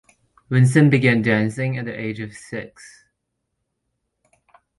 Vincent began dancing at the age of six.